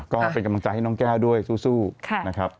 ก็เป็นกำลังใจให้น้องแก้วด้วยสู้นะครับ